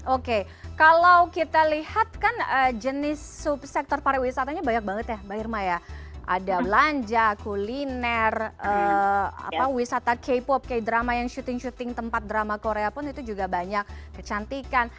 oke kalau kita lihat kan jenis subsektor pariwisatanya banyak banget ya mbak irma ya ada belanja kuliner wisata k pop k drama yang syuting syuting tempat drama korea pun itu juga banyak kecantikan